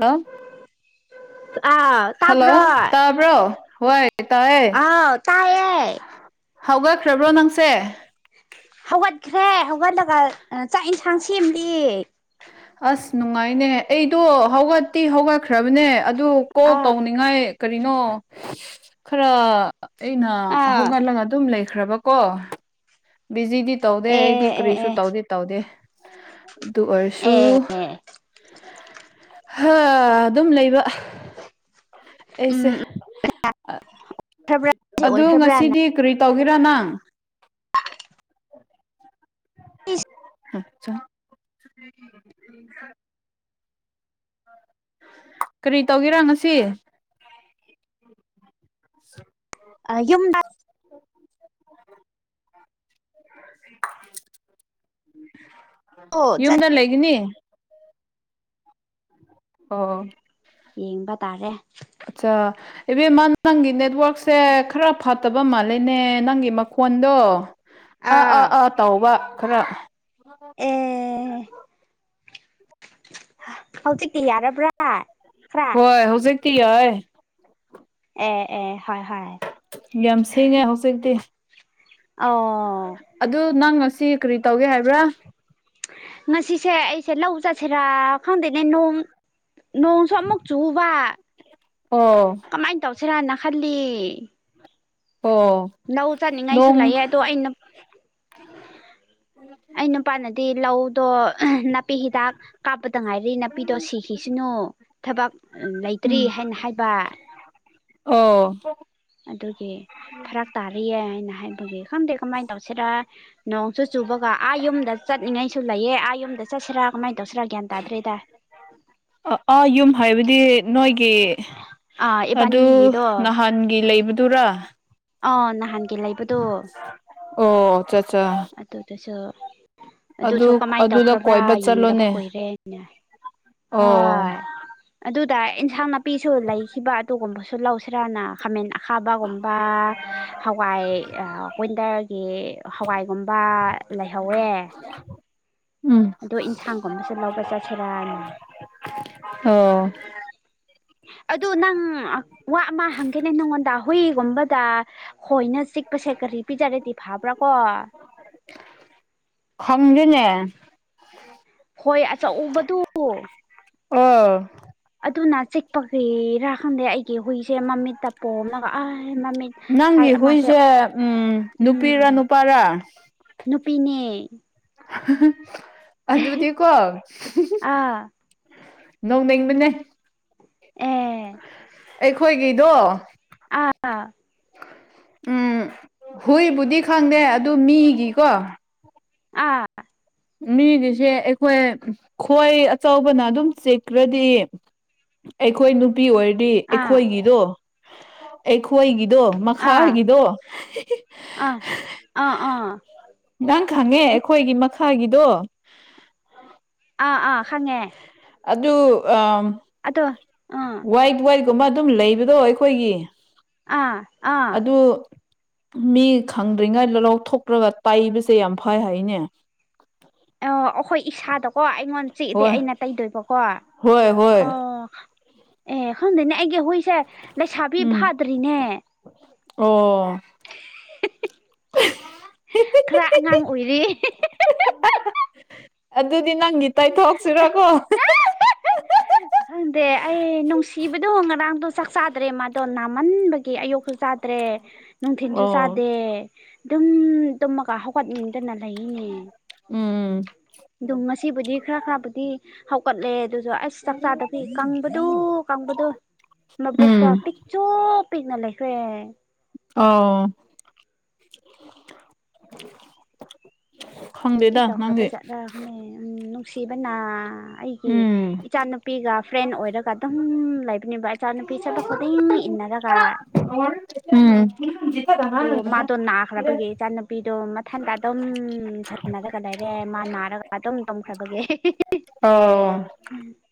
ꯆ ꯑꯥ ꯍꯜꯂꯣ ꯇꯥꯕ꯭ꯔꯣ ꯇ ꯭ꯔꯣ ꯍꯣꯏ ꯇꯥꯏꯦ ꯑꯥꯎ ꯇꯥꯏꯌꯦ ꯍꯧꯒꯠꯈ꯭ꯔꯕ꯭ꯔꯣ ꯅꯪꯁꯦ ꯍꯧꯒꯠꯈ꯭ꯔꯦ ꯍꯧꯒꯠꯂꯒ ꯆꯥꯛ ꯏꯟꯁꯥꯡ ꯁꯦꯝꯂꯤ ꯑꯁ ꯅꯨꯡꯉꯥꯏꯅꯦ ꯑꯩꯗꯣ ꯍꯧꯒꯠꯇꯤ ꯍꯧꯒꯠꯈ꯭ꯔꯕꯅꯦ ꯑꯗꯨ ꯀꯣꯜ ꯑꯥ ꯇꯧꯅꯤꯡꯉꯥꯏ ꯀꯔꯤꯅꯣ ꯈꯔ ꯑꯩꯅ ꯑꯦ ꯍꯧꯒꯠꯂꯒ ꯑꯗꯨꯝ ꯂꯩꯈ꯭ꯔꯕꯀꯣ ꯕꯤꯖꯤꯗꯤ ꯇꯧꯗꯦ ꯑꯩꯗꯤ ꯑꯦ ꯀꯔꯤꯁꯨ ꯑꯦ ꯇꯧꯗꯤꯦ ꯇꯧꯗꯦ ꯑꯗꯨ ꯑꯣꯏꯔꯁꯨ ꯑꯦ ꯍ ꯑꯗꯨꯝ ꯂꯩꯕ ꯑꯩꯁꯦ ꯎꯝ ꯈ꯭ꯔꯕ꯭ꯔꯥ ꯑꯗꯨ ꯑꯣꯏꯈ꯭ꯔꯕ꯭ꯔꯥꯅ ꯉꯁꯤꯗꯤ ꯀꯔꯤ ꯇꯧꯒꯦꯔ ꯅꯪ ꯑ ꯑꯆꯥ ꯀꯔꯤ ꯇꯧꯒꯦꯔ ꯉꯁꯤ ꯌꯨꯝ ꯆꯠ ꯌꯨꯝꯗ ꯂꯩꯒꯅꯤ ꯑꯣ ꯌꯦꯡꯕ ꯇꯥꯔꯦ ꯑꯠꯆꯥ ꯏꯕꯦꯝꯃ ꯅꯪꯒꯤ ꯅꯦꯠꯋꯔꯛꯁꯦ ꯈꯔ ꯐ ꯐꯠꯇꯕ ꯃꯥꯜꯂꯦꯅꯦ ꯅꯪꯒꯤ ꯃꯈꯣꯟꯗꯣ ꯑꯥ ꯑꯥ ꯑꯥ ꯇꯧꯕ ꯈꯔ ꯑꯣ ꯍꯧꯖꯤꯛꯇꯤ ꯌꯥꯔꯕ꯭ꯔꯥ ꯈ ꯍꯣꯏ ꯍꯧꯖꯤꯛꯀꯤ ꯍ ꯑꯦ ꯑꯦ ꯍꯣꯏ ꯍꯣꯏ ꯌꯥꯝ ꯁꯦꯡꯉ ꯍꯧꯖꯤꯛꯇꯤ ꯑꯣ ꯑꯗꯨ ꯅꯪ ꯉꯁꯤ ꯀꯔꯤ ꯇꯧꯒꯦ ꯍꯥꯏꯕ꯭ꯔꯥ ꯉꯁꯤꯁꯦ ꯑꯩꯁꯦ ꯂꯧ ꯆꯠꯁꯤꯔꯥ ꯈꯪꯗꯣꯏꯅꯦ ꯅꯣꯡ ꯅꯣꯡꯁꯨ ꯑꯃꯨꯛ ꯆꯨꯕ ꯑꯣ ꯀꯃꯥꯏꯅ ꯇꯧꯁꯤꯔꯅ ꯈꯜꯂꯤ ꯑꯣ ꯅꯧ ꯆꯠꯅꯤꯡꯉꯥꯏꯁꯨ ꯅꯣꯡ ꯂꯩꯑꯦ ꯑꯗꯣ ꯑꯩꯅ ꯑꯩ ꯅꯨꯄꯥꯅꯗꯤ ꯂꯧꯗꯣ ꯅꯥꯄꯤ ꯍꯤꯗꯥꯛ ꯀꯥꯞꯄꯗ ꯉꯥꯏꯔꯤ ꯅꯥꯄꯤꯗꯣ ꯁꯤꯈꯤꯁꯤꯅꯨ ꯊꯕꯛ ꯂꯩꯇ꯭ꯔꯤ ꯎꯝ ꯍꯥꯏꯅ ꯍꯥꯏꯕ ꯑꯣ ꯑꯗꯨꯒꯤ ꯐꯔꯛ ꯇꯥꯔꯤꯌꯦ ꯍꯥꯏꯅ ꯍꯥꯏꯕꯒꯤ ꯈꯪꯗꯦ ꯀꯃꯥꯏꯅ ꯇꯧꯁꯤꯔ ꯅꯣꯡꯁꯨ ꯆꯨꯕꯒ ꯑꯥ ꯌꯨꯝꯗ ꯆꯠꯅꯤꯡꯉꯩꯁꯨ ꯂꯩꯌꯦ ꯑꯥ ꯌꯨꯝꯗ ꯆꯠꯁꯤꯔꯥ ꯀꯃꯥꯏꯅ ꯇꯧꯁꯤꯔꯥ ꯒ꯭ꯌꯥꯟ ꯇꯥꯗ꯭ꯔꯦꯗ ꯑ ꯑꯥ ꯌꯨꯝ ꯍꯥꯏꯕꯗꯤ ꯅꯣꯏꯒꯤ ꯑꯥ ꯑꯗꯨ ꯏꯕꯥꯅꯤꯒꯤꯗꯣ ꯅꯍꯥꯟꯒꯤ ꯂꯩꯕꯗꯨꯔꯥ ꯑꯥ ꯅꯍꯥꯟꯒꯤ ꯂꯩꯕꯗꯣ ꯑꯣ ꯑꯆꯥ ꯑꯠꯆꯥ ꯑꯗꯨꯗꯨꯁꯨ ꯑꯗꯨ ꯑꯗꯨꯁꯨ ꯀꯃꯥꯏꯅ ꯑꯗꯨꯗ ꯇꯧꯈ꯭ꯔꯕ꯭ꯔꯥ ꯀꯣꯏꯕ ꯌꯦꯡꯗꯕ ꯆꯠꯂꯣꯅꯦ ꯀꯨꯏꯔꯦꯅꯦ ꯑꯣ ꯑꯗꯨꯗ ꯑꯦꯟꯁꯥꯡ ꯅꯥꯄꯤꯁꯨ ꯂꯩꯈꯤꯕ ꯑꯗꯨꯒꯨꯝꯕꯁꯨ ꯂꯧꯁꯤꯔꯥꯅ ꯈꯥꯃꯦꯟ ꯁꯥꯥꯕꯒꯨꯝꯕ ꯍꯋꯥꯏ ꯀꯋꯤꯟꯗꯔꯒꯤ ꯍꯋꯥꯏ ꯝꯕ ꯂꯩꯍꯧꯋꯦ ꯎꯝ ꯑꯗꯣ ꯏꯟꯁꯥꯡꯒꯨꯝꯕꯁꯨ ꯂꯧꯕ ꯆꯠꯁꯤꯔꯅ ꯑꯣ ꯑꯗꯨ ꯅꯪ ꯋꯥ ꯑꯃ ꯍꯪꯒꯦꯅꯦ ꯅꯪꯉꯣꯟꯗ ꯍꯨꯏꯒꯨꯝꯕꯗ ꯍꯣꯏꯅ ꯆꯤꯛꯄꯁꯦ ꯀꯔꯤ ꯄꯤꯖꯔꯗꯤ ꯐꯕ꯭ꯔꯥ ꯀꯣ ꯈꯪꯗꯦꯅꯦ ꯍꯣꯏ ꯑꯆꯧꯕꯗꯨ ꯑꯥꯎ ꯑꯗꯨꯅ ꯆꯤꯛꯄꯒꯤꯔꯥ ꯈꯪꯗꯦ ꯑꯩꯒꯤ ꯍꯨꯏꯁꯦ ꯃꯃꯤꯠꯇ ꯄꯣꯝꯂꯒ ꯑ ꯃꯃꯤꯠ ꯁꯥꯏ ꯅꯪꯒꯤ ꯑꯃꯁꯦ ꯍꯨꯏꯖꯦ ꯎꯝ ꯅꯨꯄꯤꯔꯥ ꯎꯝ ꯅꯨꯄꯥꯔꯥ ꯅꯨꯄꯤꯅꯦ [inaudible] ꯑꯗꯨꯗꯤꯀꯣ ꯑꯥ ꯅꯣꯛꯅꯤꯡꯕꯅꯦ ꯑꯦ ꯑꯩꯈꯣꯏꯒꯤꯗꯣ ꯑꯥ ꯎꯝ ꯍꯨꯏꯕꯨꯗꯤ ꯈꯪꯗꯦ ꯑꯗꯨ ꯃꯤꯒꯤꯀꯣ ꯑꯥ ꯃꯤꯒꯤꯁꯦ ꯑꯩꯈꯣꯏ ꯈꯣꯏ ꯑꯆꯧꯕꯅ ꯑꯗꯨꯝ ꯆꯤꯛꯈꯔꯗꯤ ꯑꯩꯈꯣꯏ ꯅꯨꯄꯤ ꯑꯣꯏꯔꯗꯤ ꯑꯥ ꯑꯩꯈꯣꯏꯒꯤꯗꯣ ꯑꯩꯈꯣꯏꯒꯤꯗꯣ ꯑꯥ ꯃꯈꯥꯒꯤꯗꯣ ꯑꯥ ꯑꯥ ꯑꯥ ꯅꯪ ꯈꯪꯉꯦ ꯑꯩꯈꯣꯏꯒꯤ ꯃꯈꯥꯒꯤꯗꯣ ꯑꯥ ꯑꯥ ꯈꯪꯉꯦ ꯑꯗꯨ ꯑꯝ ꯑꯗꯣ ꯑꯥ ꯋꯥ꯭ꯏꯗ ꯋꯥ꯭ꯏꯗ ꯒꯨꯝꯕ ꯑꯗꯨꯝ ꯂꯩꯕꯗꯣ ꯑꯩꯈꯣꯏꯒꯤ ꯑꯥ ꯑꯥ ꯑꯗꯨ ꯃꯤ ꯈꯪꯗ꯭ꯔꯤꯉꯩꯗ ꯂꯧꯊꯣꯛꯂꯒ ꯇꯩꯏꯕꯁꯦ ꯌꯥꯝ ꯐꯥꯏ ꯍꯥꯏꯅꯦ ꯑ ꯑꯩꯈꯣꯏ ꯏꯁꯥꯗꯀꯣ ꯑꯩ ꯑꯩꯉꯣꯟ ꯆꯤꯛꯑꯗꯤ ꯍꯣꯏ ꯑꯩꯅ ꯇꯩꯗꯣꯏꯕꯀꯣ ꯍꯣꯏ ꯍꯣꯏ ꯑꯣ ꯑꯦ ꯈꯪꯗꯦꯅꯦ ꯑꯩꯒꯤ ꯍꯨꯏꯁꯦ ꯂꯩꯁꯥꯕꯤ ꯎꯝ ꯐꯥꯗ꯭ꯔꯤꯅꯦ ꯑꯣ... ꯈꯔ ꯑꯉꯥꯡ ꯑꯣꯏꯔꯤ ꯑꯗꯨꯗꯤ ꯅꯪꯒꯤ ꯇꯩꯊꯣꯛꯁꯤꯔꯀꯣ ꯈꯪꯗꯦ ꯑꯩ ꯅꯨꯡꯁꯤꯕꯗꯣ ꯉꯔꯥꯡꯗꯣ ꯆꯥꯛ ꯆꯥꯗ꯭ꯔꯦ ꯃꯥꯗꯣ ꯅꯥꯃꯟꯕꯩ ꯒꯤ ꯑꯌꯨꯣꯛꯁꯨ ꯆꯥꯗ꯭ꯔꯦ ꯅꯨꯡꯊꯤꯟꯁꯨ ꯑꯣ ꯆꯥꯗꯦ ꯑꯗꯨꯝ ꯇꯨꯝꯃꯒ ꯍꯧ ꯒꯠ ꯅꯤꯡꯗꯅ ꯂꯩꯌꯦꯅꯦ ꯎꯝ ꯑꯗꯨ ꯉꯁꯤꯕꯨꯗꯤ ꯈꯔ ꯈꯔꯕꯨꯗꯤ ꯍꯧꯒꯠꯂꯦ ꯑꯗꯨꯁꯨ ꯑꯁ ꯆꯥꯛ ꯆꯥꯗꯕꯩ ꯀꯪꯕꯗꯨ ꯀꯪꯕꯗꯨ ꯃꯕꯣꯛꯇꯣ ꯎꯝ ꯄꯤ ꯄꯤꯛꯆꯣ ꯄꯤꯛꯅ ꯂꯩꯈ꯭ꯔꯦ ꯑꯣ ꯀ꯭ꯔꯤ ꯈꯪꯗꯦꯗ ꯇꯧꯈ꯭ꯔꯥꯕ ꯅꯪꯗꯤ ꯖꯥꯠꯂꯥꯅꯦ ꯅꯨꯡꯁꯤꯕꯅ ꯑꯩꯒꯤ ꯎꯝ ꯏꯆꯥꯅꯨꯄꯤꯒ ꯐ꯭ꯔꯦꯟ ꯑꯣꯏꯔꯒ ꯑꯗꯨꯝ ꯂꯩꯕꯅꯦꯕ ꯏꯆꯥꯅꯨꯄꯤ ꯁꯦꯠꯄ ꯈꯨꯗꯤꯡ ꯏꯟꯅꯔꯒ ꯎꯝ ꯄꯤꯗꯣ ꯃꯊꯟꯇ ꯑꯗꯨꯝ ꯁꯥꯟꯅꯔꯒ ꯂꯩꯔꯦ ꯃꯥ ꯅꯥꯔꯒ ꯑꯗꯨꯝ ꯇꯝꯈ꯭ꯔꯕꯒꯤ ꯑꯣ.. [inaudible]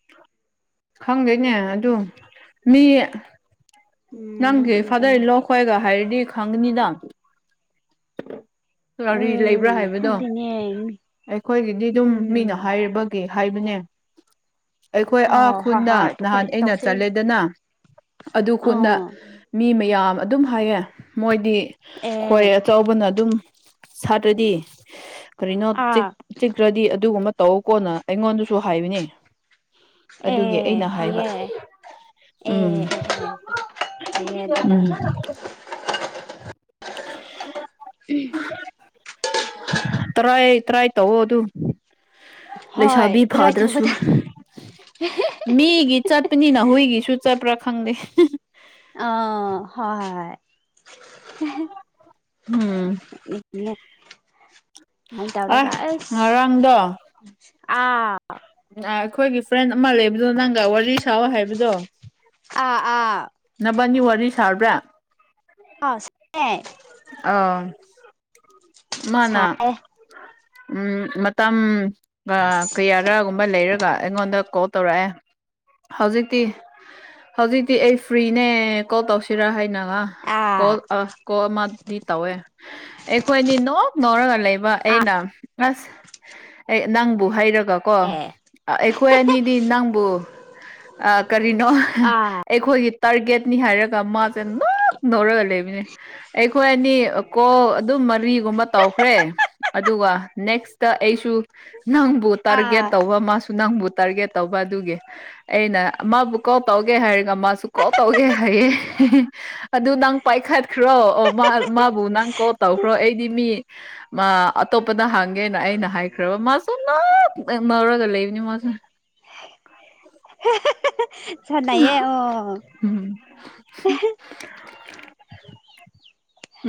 ꯈꯪꯗꯦꯅꯦ ꯑꯗꯨ ꯃꯤ ꯎꯝ ꯅꯪꯒꯤ ꯐꯥꯗꯔ ꯅꯨꯡꯁꯤꯕꯅ ꯏꯟ ꯂꯣ ꯈꯣꯏꯒ ꯍꯥꯏꯔꯗꯤ ꯍꯪꯒꯅꯤꯗ ꯀꯔꯤ ꯎꯝ ꯂꯩꯕ꯭ꯔꯥ ꯍꯥꯏꯕꯗꯣ ꯈꯪꯗꯦꯅꯦ ꯑꯩꯈꯣꯏꯒꯤꯗꯤ ꯑꯗꯨꯝ ꯃꯤꯅ ꯎꯝ ꯍꯥꯏꯔꯤꯕ ꯒꯤ ꯍꯥꯏꯕꯅꯦ ꯑꯩꯈꯣꯏ ꯑꯥ ꯑꯥꯎ ꯍꯣꯏ ꯈꯨꯟꯗ ꯍꯣꯏ ꯑꯗꯨ ꯅꯍꯥꯟ ꯀꯔꯤ ꯑꯩꯅ ꯇꯧꯁꯤ ꯆꯠꯂꯦꯗꯅ ꯑꯗꯨ ꯈꯨꯟꯗ ꯑꯥ ꯃꯤ ꯃꯌꯥꯝ ꯑꯗꯨꯝ ꯍꯥꯏꯌꯦ ꯃꯣꯏꯗꯤ ꯈꯣꯏ ꯑꯦ ꯑꯆꯧꯕꯅ ꯑꯗꯨꯝ ꯁꯥꯇ꯭ꯔꯗꯤ ꯀꯔꯤꯅꯣ ꯑꯥ ꯆꯤꯛ ꯆꯤꯛꯈ꯭ꯔꯗꯤ ꯑꯗꯨꯒꯨꯝꯕ ꯇꯧ ꯀꯣꯅ ꯑꯩꯉꯣꯟꯗꯁꯨ ꯍꯥꯏꯕꯅꯦ ꯑꯗꯨꯒꯤ ꯑꯦ ꯑꯩꯅ ꯍꯥꯏꯕ ꯐꯩꯌꯦ ꯎꯝ ꯑꯦ ꯑꯦ ꯌꯦ ꯑꯗꯨꯗꯤ ꯎꯝ ꯇ꯭ꯔꯥꯏ ꯇ꯭ꯔꯥꯏ ꯇꯧꯋ ꯑꯗꯨ ꯍꯣꯏ ꯂꯩꯁꯥꯕꯤ ꯑꯗꯨꯃꯥꯏ ꯐꯥꯗ꯭ꯔꯁꯨ ꯇꯧꯕꯗ ꯃꯤꯒꯤ ꯆꯠꯄꯅꯤꯅ ꯍꯨꯏꯒꯤꯁꯨ ꯆꯠꯄ꯭ꯔꯥ ꯈꯪꯗꯦ ꯑ ꯍꯣꯏ [inaudible] ꯍꯨꯝ [unintelligible] ꯑ ꯉꯔꯥꯡꯗꯣ ꯑ ꯑ ꯑꯩꯈꯣꯏꯒꯤ ꯐ꯭ꯔꯦꯟ ꯑꯃ ꯂꯩꯕꯗꯣ ꯅꯪꯒ ꯋꯥꯔꯤ ꯁꯥꯑꯣ ꯍꯩꯕꯗꯣ ꯑꯥ ꯑꯥ ꯅꯕꯥꯅꯤ ꯋꯥꯔꯤ ꯁꯥꯔꯕ꯭ꯔꯥ ꯑꯥꯁ [unintelligible] ꯑ ꯃꯥꯅ ꯁꯥꯏꯌꯦ ꯎꯝ ꯃꯇꯝ ꯀꯌꯥꯔꯛꯒꯨꯝꯕ ꯂꯩꯔꯒ ꯑꯩꯉꯣꯟꯗ ꯀ ꯇꯧꯔꯛꯑꯦ ꯍꯧꯖꯤꯛꯇꯤ ꯍꯧꯖꯤꯛꯇꯤ ꯑꯩ ꯐ꯭ꯔꯤꯅꯦ ꯀꯣꯜ ꯇꯧꯁꯤꯔꯥ ꯍꯥꯏꯅ ꯑꯥ ꯀꯣꯜ ꯑ ꯀꯣꯜ ꯑꯃꯗꯤ ꯇꯧꯋꯦ ꯑꯩꯈꯣꯏꯅꯤ ꯅꯣꯛ ꯅꯣꯛꯔꯒ ꯂꯩꯕ ꯑꯥ ꯑꯩꯅ ꯑꯁ ꯑꯦ ꯅꯪꯕꯨ ꯍꯥꯏꯔꯒ ꯀꯣ ꯑꯦ ꯑꯩꯈꯣꯏ ꯑꯅꯤꯗꯤ ꯅꯪꯕꯨ ꯑ ꯀꯔꯤꯅꯣ? ꯑꯥ ꯑꯩꯈꯣꯏꯒꯤ ꯇꯥꯔꯒꯦꯠꯅꯤ ꯍꯥꯏꯔꯒ ꯃꯥꯁꯦ ꯅꯣꯛ ꯅꯧꯔꯒ ꯂꯩꯕꯅꯦ ꯑꯩꯈꯣꯏ ꯑꯅꯤ ꯀꯣ ꯑꯗꯨꯝ ꯃꯔꯤ ꯨꯒꯨꯝꯕ ꯇꯧꯈ꯭ꯔꯦ ꯑꯗꯨꯒ ꯅꯦꯛꯁꯇ ꯑꯩꯁꯨ ꯅꯪꯕꯨ ꯑꯥ ꯇꯥꯔꯒꯦꯠ ꯇꯧꯕ ꯃꯥꯁꯨ ꯅꯪꯕꯨ ꯇꯥꯔꯒꯦꯠ ꯇꯧꯕ ꯑꯗꯨꯒꯤ ꯑꯩꯅ ꯃꯥꯕꯨ ꯀꯣꯜ ꯇꯧꯒꯦ ꯍꯥꯏꯔꯒ ꯃꯥꯁꯨ ꯀꯣꯜ ꯇꯧꯒꯦ ꯍꯥꯏꯌꯦ ꯑꯗꯨ ꯅꯪ ꯄꯥꯏꯈꯠꯈ꯭ꯔꯣ ꯑꯣ ꯃꯥꯕꯨ ꯅꯪ ꯀꯣꯜ ꯇꯧꯈ꯭ꯔꯣ ꯑꯩꯗꯤ ꯃꯤ ꯃꯥ ꯑꯇꯣꯞꯄꯗ ꯍꯥꯡꯒꯦꯅ ꯑꯩꯅ ꯍꯥꯏꯔꯕ ꯃꯥꯁꯨ ꯅꯣꯛ ꯑꯦꯔꯒ ꯂꯩꯕꯅꯤ ꯃꯥꯁꯦ ꯁꯥꯅꯩꯌꯦ ꯑꯣ ꯎꯝ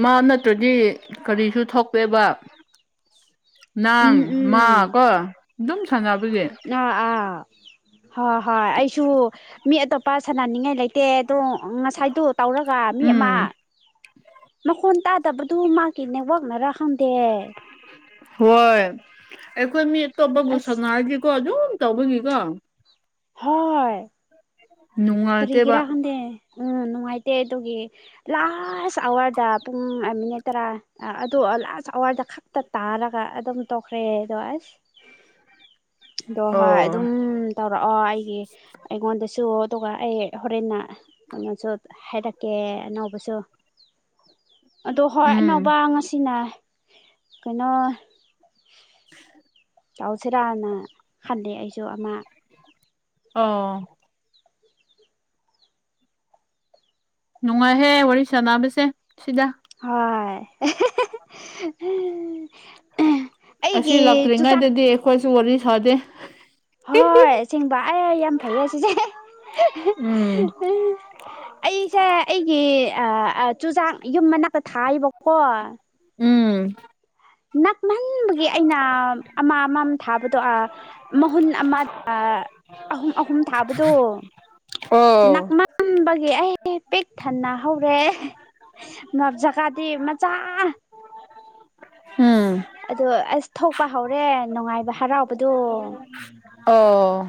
ꯃꯥ ꯅꯠꯇ꯭ꯔꯗꯤ ꯀꯔꯤꯁꯨ ꯊꯣꯛꯑꯦꯕ ꯅꯪ ꯎꯝ ꯃꯥ ꯎꯝ ꯀꯣ ꯑꯗꯨꯝ ꯁꯥꯟꯅꯕꯒꯤ ꯑꯥ ꯑꯥ ꯍꯣꯏ ꯍꯣꯏ ꯑꯩꯁꯨ ꯃꯤ ꯑꯇꯣꯞꯄ ꯁꯥꯟꯅꯅꯤꯡꯉꯥꯏ ꯂꯩꯇꯦ ꯑꯗꯣ ꯉꯁꯥꯏꯗꯨ ꯇꯧꯔꯒ ꯃꯤ ꯑꯃ ꯎꯝ ꯃꯈꯣꯟ ꯇꯥꯗꯕꯗꯨ ꯃꯥꯒꯤ ꯅꯦꯋꯥꯛꯅꯔꯥ ꯈꯪꯗꯦ ꯍꯣꯏ ꯑꯩꯈꯣꯏ ꯃꯤ ꯑꯇꯣꯞꯄꯕꯨ ꯑꯁ ꯁꯥꯅꯔꯗꯤꯀꯣ ꯑꯗꯨꯝ ꯇꯧꯕꯒꯤꯀꯣ ꯍꯣꯏ ꯅꯨꯡꯉꯥꯏꯇꯦꯕ ꯀꯔꯤꯒꯤꯔꯥ ꯈꯪꯗꯦ ꯎꯝ ꯅꯨꯡꯉꯥꯏꯇꯦ ꯑꯗꯨꯒꯤ ꯂꯥꯁ ꯑꯋꯥꯔꯗ ꯄꯨꯡ ꯃꯤꯅꯤ ꯈꯛꯇꯔꯥ ꯑꯗꯨ ꯂꯥꯁ ꯑꯋꯥꯔꯗ ꯈꯥ ꯇ ꯇꯥꯔꯒ ꯑꯗꯨꯝ ꯇꯣꯛꯈ꯭ꯔꯦ ꯑꯗꯣ ꯑꯁ [inaudible] ꯑꯗꯣ ꯍꯣꯏ ꯑꯣ ꯗꯨꯝ ꯄꯨꯔꯛꯑꯣ ꯑꯩꯒꯤ ꯑꯩꯉꯣꯟꯗꯁꯨ ꯑꯗꯨꯒ ꯑꯩ ꯍꯣꯔꯦꯟꯅ ꯀꯩꯅꯣꯁꯨ ꯍꯥꯏꯔꯛꯀꯦ ꯑꯅꯧꯕꯁꯨ ꯑꯗꯣ ꯍꯣꯏ ꯑꯅꯧꯕ ꯎꯝ ꯉꯁꯤꯅ ꯀꯩꯅꯣ [inaudible] ꯇꯩꯁꯤꯔꯥꯅ ꯈꯜꯂꯦ ꯑꯩꯁꯨ ꯑꯃ ꯑꯣ ꯅꯨꯡꯉꯥꯏꯍꯦ ꯋꯥꯔꯤ ꯁꯥꯟꯅꯕꯁꯦ ꯁꯤꯗ ꯍꯣꯏ [inaudible] ꯑꯁꯤ ꯆꯨꯖꯥꯛ ꯂꯥꯛꯇ꯭ꯔꯤꯉꯩꯗꯗꯤ ꯑꯩꯈꯣꯏꯁꯨ ꯋꯥꯔꯤ ꯁꯥꯗꯦ ꯍꯣꯏ ꯑꯁꯦꯡꯕ ꯑꯩ ꯌꯥꯝ ꯐꯩꯌꯦ ꯑꯁꯤꯁꯦ ꯑꯦꯍꯦ ꯎꯝ ꯑꯦꯍꯦ ꯑꯩꯁꯦ ꯑꯩꯒꯤ ꯑ ꯑ ꯆꯨꯖꯥꯛ ꯌꯨꯝ ꯃꯅꯥꯛꯇ ꯊꯥꯏꯕꯀꯣ ꯎꯝ ꯅꯛꯃꯟꯕꯒꯤ ꯑꯩꯅ ꯑꯃ ꯑꯝ ꯊꯥꯕꯗꯣ ꯑꯥ ꯃꯍꯨꯟ ꯑꯃ ꯑꯍꯨꯝ ꯑꯍꯨꯝ ꯊꯥꯕꯗꯣ ꯑꯣ ꯇꯨꯝꯕꯒꯤ ꯑꯩꯗꯤ ꯄꯤꯛ ꯊꯟꯅ ꯍꯧꯔꯦ ꯉ ꯖꯒꯥꯗꯤ ꯃꯆꯥ ꯎꯝ ꯑꯗꯣ ꯑꯁ ꯊꯣꯛꯄ ꯍꯧꯔꯦ ꯅꯨꯡꯉꯥꯏꯕ ꯍꯔꯥꯎꯕꯗꯣ ꯑꯣ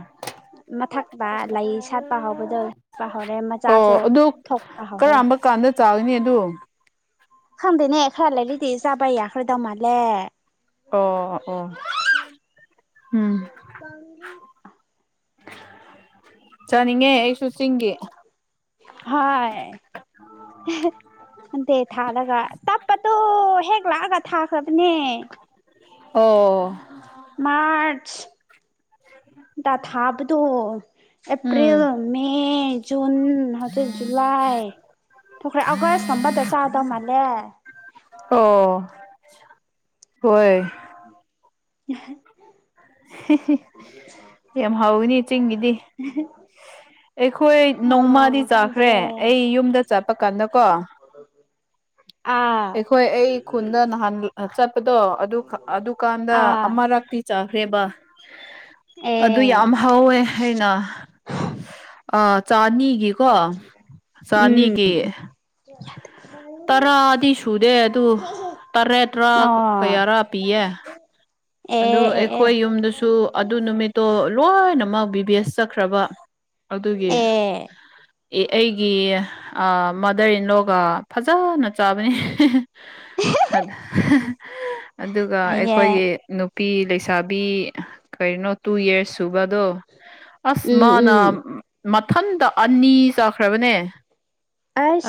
ꯃꯊꯛꯇ ꯂꯩ ꯁꯥꯠꯄ ꯍꯧꯕꯗꯣ ꯁꯥꯠꯄ ꯍꯧꯔꯦ ꯑꯣ ꯃꯆꯥꯁꯨ ꯑꯗꯨ ꯊꯣꯛꯄ ꯍꯧꯔꯦ ꯀꯔꯝꯕ ꯀꯥꯟꯗ ꯆꯥꯎꯅꯤ ꯑꯗꯨ ꯈꯪꯗꯦꯅꯦ ꯈ꯭ꯔ ꯂꯩꯔꯦꯗꯤ ꯆꯥꯕ ꯌꯥꯈ꯭ꯔꯗꯧ ꯃꯥꯂꯦ ꯑꯣ ꯑꯣ ꯎꯝ [inaudible] ꯆꯥꯅꯤꯡꯉꯦ ꯑꯩꯁꯨ ꯆꯤꯡꯒꯤ ꯍꯣꯏ ꯅꯗꯦ ꯊꯥꯔꯒ ꯇꯞꯄꯗꯨ ꯍꯦꯛ ꯂꯥꯛꯑꯒ ꯊꯥꯈ꯭ꯔꯕꯅꯦ ꯑꯣ ꯃꯥꯔꯁ ꯇ ꯊꯥꯕꯗꯣ ꯑꯦꯄ꯭ꯔꯤꯜ ꯎꯝ ꯃꯦ ꯖꯨꯟ ꯍꯧꯖꯤꯛ ꯖꯨꯂꯥꯏ ꯊꯨꯈ꯭ꯔꯦ ꯑꯥꯒꯁꯀꯨꯝꯕꯗ ꯆꯥꯗꯧ ꯃꯥꯜꯂꯦ ꯑꯣ ꯍꯣꯏ [inaudible] ꯍꯤ ꯍꯤ ꯌꯥꯝ ꯍꯥꯎꯋꯤꯅꯤ ꯆꯤꯡꯒꯤꯗꯤ ꯑꯩꯈꯣꯏ ꯅꯣꯡꯃꯗꯤ ꯑꯥ ꯆꯥꯈ꯭ꯔꯦ ꯈꯪꯗ꯭ꯔꯦ ꯑꯩ ꯌꯨꯝꯗ ꯆꯠꯄ ꯀꯥꯟꯗꯀꯣ ꯑꯥ ꯑꯩꯈꯣꯏ ꯑꯩ ꯈꯨꯟꯗ ꯅꯍꯥꯟ ꯆꯠꯄꯗꯣ ꯑꯗꯨ ꯑꯗꯨꯀꯥꯟꯗ ꯑꯥ ꯑꯃꯔꯛꯇꯤ ꯆꯥꯈ꯭ꯔꯦꯕ ꯑꯗꯨ ꯑꯦ ꯌꯥꯝ ꯍꯧꯋꯦ ꯑꯩꯅ ꯑ ꯆꯥꯅꯤꯒꯤ ꯀꯣ ꯎꯝ ꯆꯅꯤꯒꯤ [inaudible] ꯇꯔꯥꯗꯤ ꯁꯨꯗꯦ ꯑꯗꯨ ꯇꯔꯦꯠꯔꯥ ꯑꯣ ꯀꯌꯥꯔꯥ ꯄꯤꯌꯦ ꯑꯦ ꯑꯗꯨ ꯑꯦ ꯑꯦ ꯑꯩꯈꯣꯏ ꯌꯨꯝꯗꯁꯨ ꯑꯗꯨ ꯅꯨꯃꯤꯠ ꯇꯣ ꯂꯣꯏꯅꯃꯛ ꯕꯤ ꯕꯤ ꯑꯦꯁ ꯆꯠꯈ꯭ꯔꯕ ꯑꯗꯨꯒꯤ ꯑꯦ ꯑꯩꯒꯤ ꯃꯥꯗꯔ ꯏꯟꯂꯣꯒ ꯐꯖꯅ ꯆꯥꯕꯅꯤ ꯍꯠ ꯍ ꯑꯗꯨꯒ ꯐꯩꯌꯦ ꯑꯩꯈꯣꯏꯒꯤ ꯅꯨꯞ ꯅꯨꯄꯤ ꯂꯩꯁꯥꯕꯤ ꯀꯩꯅꯣ ꯇꯨ ꯌꯔꯁ ꯁꯨꯕꯗꯣ ꯑꯁ ꯎꯝ ꯃꯥꯅ ꯎꯝ ꯃꯊꯟꯇ ꯑꯅꯤ ꯆꯥꯈ꯭ꯔꯕꯅꯦ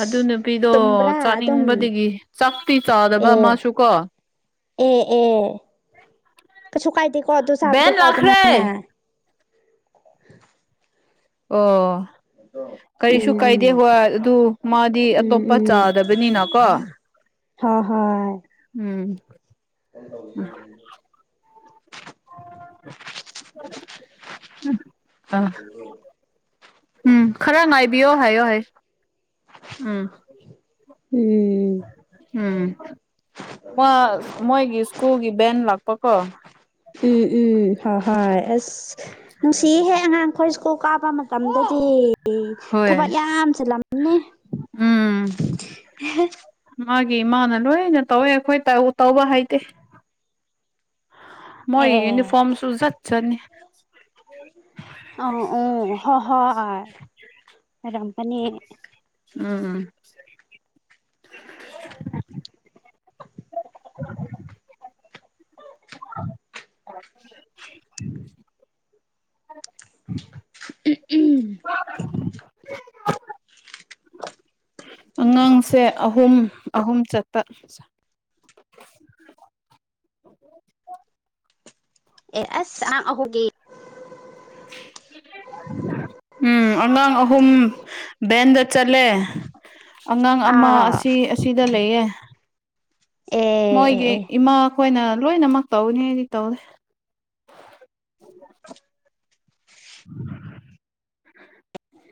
ꯑꯗꯨ ꯅꯨꯄꯤꯗꯣ ꯇꯨꯝꯕ꯭ꯔꯥ ꯑꯗꯨꯝ ꯆꯥꯅꯤꯡꯕꯗꯒꯤ ꯆꯥꯛꯇꯤ ꯆꯥꯗꯕ ꯑꯦ ꯃꯥꯁꯨ ꯀꯣ ꯑꯦ ꯑꯦ ꯀꯩꯁꯨ ꯀꯥꯏꯗꯦ ꯀꯣ ꯑꯗꯨꯨ ꯕꯦꯟ ꯆꯥꯕꯗꯨꯀꯣ ꯑꯗꯨ ꯂꯥꯛꯈ꯭ꯔꯦ ꯃꯥꯏꯅ [inaudible] ꯑꯣ ꯀꯔꯤꯁꯨ ꯀꯥꯏꯗꯦ ꯎꯝ ꯍꯣꯏ ꯑꯗꯨ ꯃꯥꯗꯤ ꯎꯝ ꯎꯝ ꯑꯇꯣꯞꯄ ꯆꯥꯗꯕꯅꯤꯅꯀꯣ ꯍ ꯍꯣꯏ [inaudible] [inaudible] [inaudible] [inaudible] ꯎꯝ ꯈꯔ ꯉꯥꯏꯕꯤꯌꯣ ꯍꯥꯏꯌꯣ ꯍꯥꯏ ꯎꯝ ꯎꯝ ꯎꯝ ꯃꯥ ꯃꯣꯏꯒꯤ ꯁ꯭ꯀꯨꯜꯒꯤ ꯕꯦꯟ ꯂꯥꯛꯄꯀꯣ ꯎꯝ ꯎꯝ ꯍꯣꯏ ꯍꯣꯏ ꯑꯁ ꯅꯨꯡꯁꯤꯍꯦ ꯑꯉꯥꯡꯈꯣꯏ ꯁ ꯀꯀꯣꯛ ꯀꯥꯞꯄ ꯃꯇꯝꯗꯗꯤ ꯑꯦ ꯊꯕꯛ ꯍꯣꯏ ꯌꯥꯝ ꯆꯜꯂꯝꯅꯦ ꯎꯝ ꯑꯦꯍꯦ ꯃꯥꯒꯤ ꯏꯃꯥꯅ ꯂꯣꯏꯅ ꯇꯧꯋꯦ ꯑꯩꯈꯣꯏ ꯇꯧꯕ ꯍꯥꯏꯇꯦ ꯃꯣꯏ ꯑꯦ ꯌꯨꯅꯤꯐꯣꯝ ꯖꯨ ꯖꯥꯠ ꯖꯥꯠꯅꯤ ꯑ ꯑꯣ ꯍ ꯍ ꯔꯝꯄꯅꯤ ꯎꯝ ꯎꯝ [unintelligible] [unintelligible] ꯎ ꯎꯝ ꯑꯉꯥꯡꯁꯦ ꯑꯍꯨꯝ ꯑꯍꯨꯝ ꯆꯠꯄ ꯑꯦ ꯑꯁ ꯑꯍ [unintelligible] ꯎꯝ ꯑꯉꯥꯡ ꯑꯍꯨꯝ ꯕꯦꯟꯗ ꯆꯠꯂꯦ ꯑꯉꯥꯡ ꯑꯃ ꯑꯥ ꯑꯁꯤ ꯑꯁꯤꯗ ꯂꯩꯌꯦ ꯑ ꯃꯣꯏꯒꯤ ꯏꯃꯥꯈꯣꯏꯅ ꯂꯣꯏꯅꯃꯛ ꯇꯧꯅꯤ ꯍꯥꯏꯗꯤ ꯇꯧꯗꯦ [unintelligible]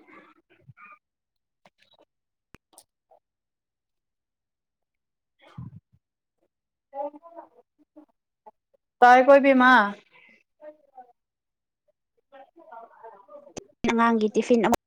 ꯇꯥꯏ ꯀꯣ ꯏꯕꯦꯃꯥ [unintelligible] ꯑꯉꯥꯡꯒꯤ ꯇꯤꯐꯤꯟ ꯑꯃꯨꯛ